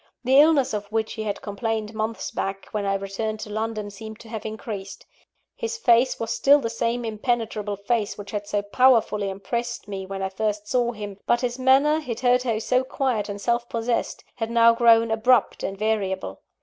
The illness of which he had complained months back, when I returned to London, seemed to have increased. His face was still the same impenetrable face which had so powerfully impressed me when I first saw him, but his manner, hitherto so quiet and self possessed, had now grown abrupt and variable.